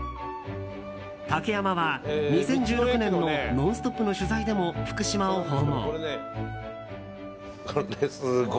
竹山は２０１６年の「ノンストップ！」の取材でも福島を訪問。